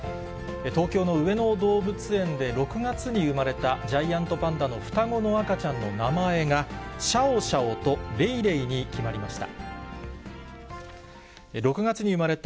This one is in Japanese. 東京の上野動物園で６月に産まれたジャイアントパンダの双子の赤ちゃんの名前が、シャオシャオとレイレイに決まりました。